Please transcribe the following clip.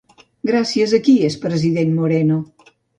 Gràcies a qui és president Moreno?